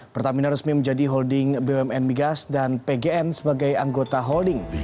pertamina resmi menjadi holding bumn migas dan pgn sebagai anggota holding